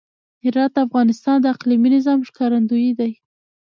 هرات د افغانستان د اقلیمي نظام ښکارندوی دی.